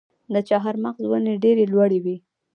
د چهارمغز ونې ډیرې لوړې وي.